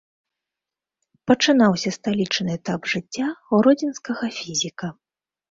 Пачынаўся сталічны этап жыцця гродзенскага фізіка.